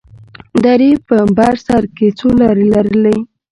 درې په بر سر کښې څو لارې لرلې.